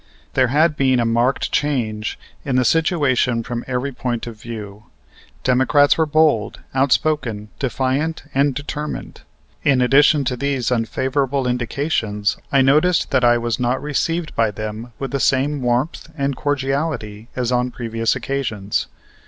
There had been a marked change in the situation from every point of view. Democrats were bold, outspoken, defiant, and determined. In addition to these unfavorable indications I noticed that I was not received by them with the same warmth and cordiality as on previous occasions.